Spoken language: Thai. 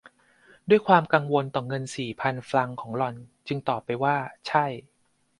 ด้วยความกังวลต่อเงินสี่พันฟรังส์ของหล่อน จึงตอบไปว่า ใช่